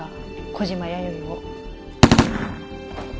小島弥生を。